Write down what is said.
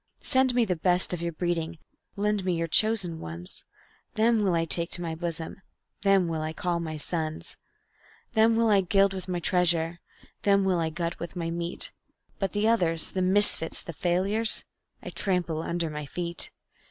Send me the best of your breeding, lend me your chosen ones; Them will I take to my bosom, them will I call my sons; Them will I gild with my treasure, them will I glut with my meat; But the others the misfits, the failures I trample under my feet.